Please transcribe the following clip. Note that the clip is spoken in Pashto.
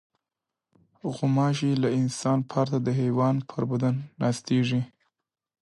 غوماشې له انسان پرته د حیوان پر بدن هم ناستېږي.